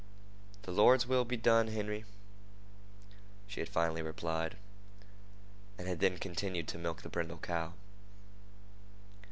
"The Lord's will be done, Henry," she had finally replied, and had then continued to milk the brindle cow.